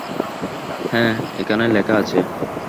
হ্যাঁ, এখানে লেখা আছে।